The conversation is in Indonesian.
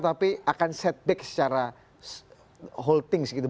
tapi akan setback secara holting segitu